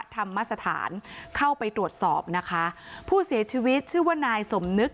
ธรรมสถานเข้าไปตรวจสอบนะคะผู้เสียชีวิตชื่อว่านายสมนึก